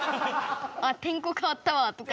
「あ天候かわったわ」とか。